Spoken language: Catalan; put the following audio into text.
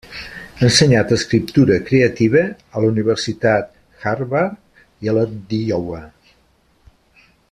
Ha ensenyat escriptura creativa a la Universitat Harvard i a la d'Iowa.